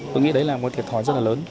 tôi nghĩ đấy là một thiệt thòi rất lớn